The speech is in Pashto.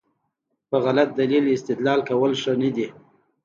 په غلط دلیل استدلال کول ښه نه دي.